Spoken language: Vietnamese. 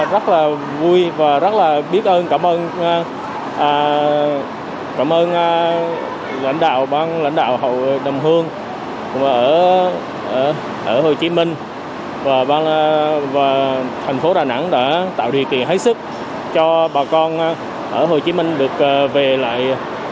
rất là vui và rất là biết ơn cảm ơn lãnh đạo hội đồng hương ở hồ chí minh và thành phố đà nẵng đã tạo điều kiện hãy sức cho bà con ở hồ chí minh được về lại